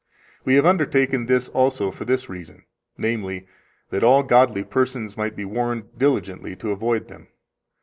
We have undertaken this also for this reason, viz., that all godly persons might be warned diligently to avoid them.